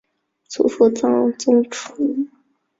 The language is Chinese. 祖父张宗纯。